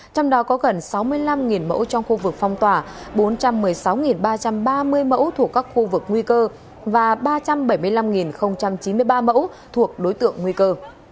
trong đó có gần sáu mươi năm mẫu trong khu vực phong tỏa bốn trăm một mươi sáu ba trăm ba mươi mẫu thuộc các khu vực nguy cơ và ba trăm bảy mươi năm chín mươi ba mẫu thuộc đối tượng nguy cơ